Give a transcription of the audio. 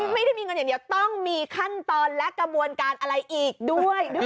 ไม่ได้มีเงินอย่างเดียวต้องมีขั้นตอนและกระบวนการอะไรอีกด้วย